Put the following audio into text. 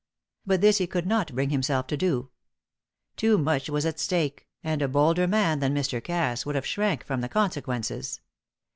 But this he could not bring himself to do. Too much was at stake, and a bolder man than Mr. Cass would have shrank from the consequences.